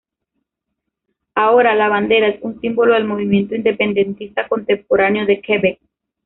Ahora, la bandera es un símbolo del movimiento independentista contemporáneo de Quebec.